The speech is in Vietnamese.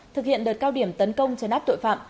thực hiện đợt cao điểm tấn công chấn áp tội phạm